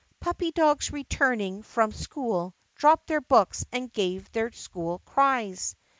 Puppy dogs returning from school dropped their books and gave their school cries.